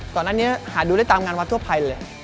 ตอนนั้นเนี่ยหาดูได้ตามงานวัดทั่วไปเลย